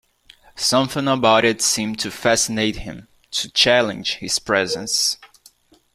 Something about it seemed to fascinate him, to challenge his presence.